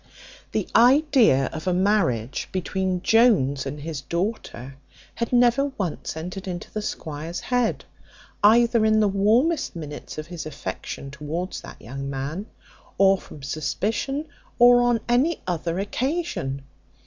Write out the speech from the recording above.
The idea of a marriage between Jones and his daughter, had never once entered into the squire's head, either in the warmest minutes of his affection towards that young man, or from suspicion, or on any other occasion.